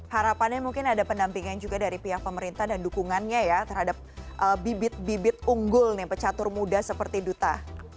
harapannya mungkin ada pendampingan juga dari pihak pemerintah dan dukungannya ya terhadap bibit bibit unggul nih pecatur muda seperti duta